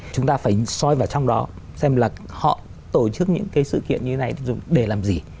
chúng ta phải soi vào trong đó xem là họ tổ chức những cái sự kiện như thế này để làm gì